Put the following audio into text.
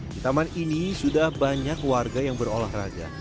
di taman ini sudah banyak warga yang berolahraga